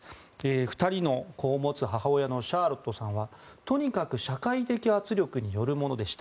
２人の子を持つ母親のシャーロットさんはとにかく社会的圧力によるものでした。